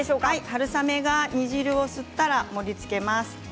春雨が煮汁を吸ったら盛りつけます。